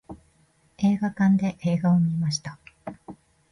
映画館で映画を観ました。